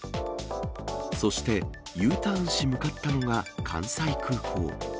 そしてＵターンし、向かったのが関西空港。